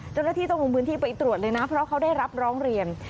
เจ้าหน้าที่ต้องลงพื้นที่ไปตรวจเลยนะเพราะเขาได้รับร้องเรียน